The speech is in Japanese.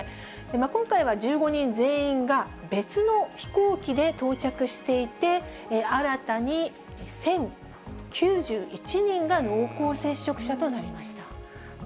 今回は１５人全員が別の飛行機で到着していて、新たに１０９１人が濃厚接触者となりました。